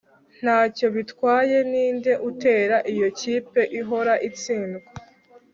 Ntacyo bitwaye ninde utera iyo kipe ihora itsindwa